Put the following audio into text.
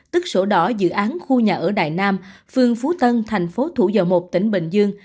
tức sổ đỏ dự án khu nhà ở đại nam phương phú tân thành phố thủ dầu một tỉnh bình dương